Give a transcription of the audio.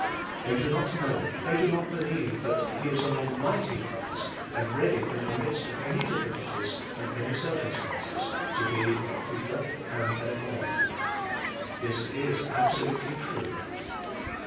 They do not know, they do not believe that He is an Almighty Christ, and ready in the midst of any difficulties and any circumstances to be their keeper and their God. This is absolutely true.